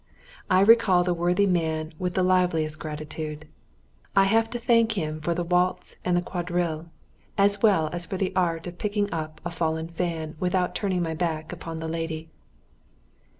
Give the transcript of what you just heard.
I recall the worthy man with the liveliest gratitude. I have to thank him for the waltz and the quadrille, as well as for the art of picking up a fallen fan without turning my back upon the lady.